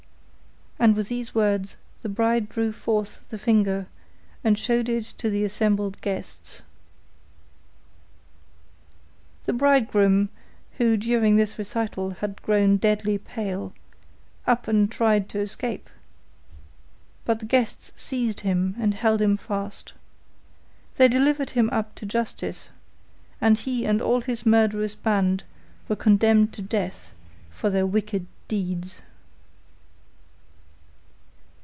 And with these words the bride drew forth the finger and shewed it to the assembled guests. The bridegroom, who during this recital had grown deadly pale, up and tried to escape, but the guests seized him and held him fast. They delivered him up to justice, and he and all his murderous band were condemned to death for their wicked deeds.